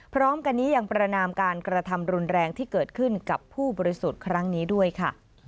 พร้อมกันนี้ยังประนามการกระทำรุนแรงที่เกิดขึ้นกับผู้บริสุทธิ์ครั้งนี้ด้วยค่ะ